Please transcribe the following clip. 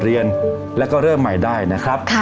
เรื่องอาเณียบ